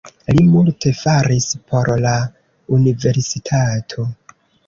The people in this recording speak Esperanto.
Li multe faris por la universitato.